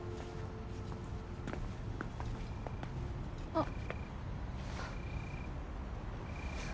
あっ。